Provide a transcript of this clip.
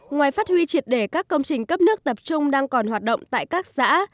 ngoài phát huy triệt để các công trình cấp nước tập trung đang còn hoạt động tại các xã